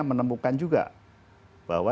menemukan juga bahwa